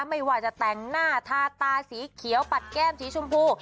ไม่ว่าจะแต่งหน้าทาตาสีเขียวปัดแก้มสีชมพู